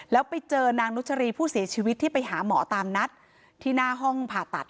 แล้วไปเจอนางนุชรีผู้เสียชีวิตที่ไปหาหมอตามนัดที่หน้าห้องผ่าตัด